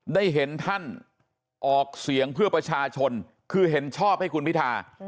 ได้เห็นท่านออกเสียงเพื่อประชาชนคือเห็นชอบให้คุณพิธา